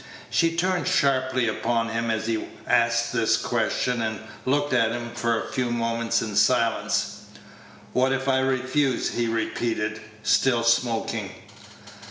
She turned sharply upon him as he asked this question, and looked at him for a few moments in silence. "What if I refuse?" he repeated, still smoking.